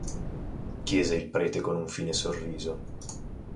Chiese il prete con un fine sorriso.